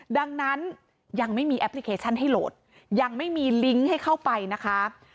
ดังนั้นยังไม่มีแอปพลิเคชันให้โหลดยังไม่มีลิงก์ให้เข้าไปนะคะ